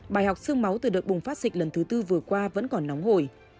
bài học sương máu từ đợt bùng phát dịch lần thứ tư vừa qua vẫn còn nóng hồi